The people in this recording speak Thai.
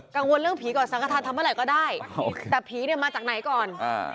กังวลเรื่องผีก่อนสังขทานทำอะไรก็ได้แต่ผีมาจากไหนก่อน